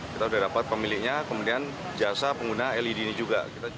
kita sudah dapat pemiliknya kemudian jasa pengguna led ini juga